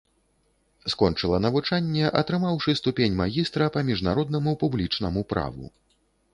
Скончыла навучанне, атрымаўшы ступень магістра па міжнароднаму публічнаму праву.